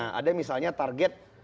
nah ada misalnya target